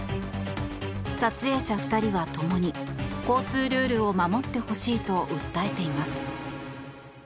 撮影者２人は共に交通ルールを守ってほしいと訴えています。